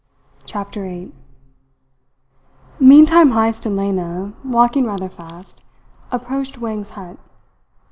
CHAPTER EIGHT Meantime Heyst and Lena, walking rather fast, approached Wang's hut.